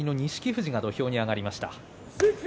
富士が土俵上に上がりました。